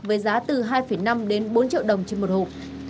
với giá từ hai năm đến bốn triệu đồng trên một hộp